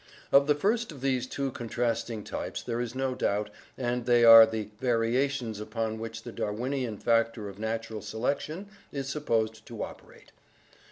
Of the first of these two contrast VARIATION AND MUTATION 135 ing types there is no doubt, and they are the variations upon which the Darwinian factor of natural selection is supposed to operate.